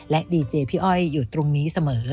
และดีเจพี่อ้อยอยู่ตรงนี้เสมอ